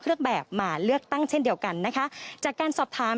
เครื่องแบบมาเลือกตั้งเช่นเดียวกันนะคะจากการสอบถาม